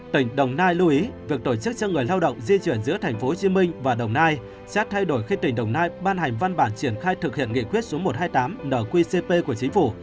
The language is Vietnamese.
tỉnh đồng nai lưu ý việc tổ chức cho người lao động di chuyển giữa tp hcm và đồng nai xét thay đổi khi tỉnh đồng nai ban hành văn bản triển khai thực hiện nghị quyết số một trăm hai mươi tám nqcp của chính phủ